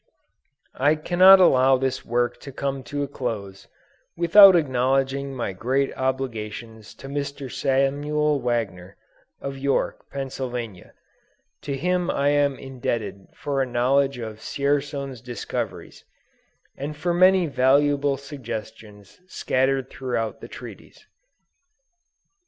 I cannot allow this work to come to a close, without acknowledging my great obligations to Mr. Samuel Wagner, of York, Pennsylvania. To him I am indebted for a knowledge of Dzierzon's discoveries, and for many valuable suggestions scattered throughout the Treatise.